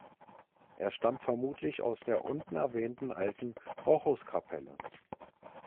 Er stammt vermutlich aus der unten erwähnten alten Rochuskapelle.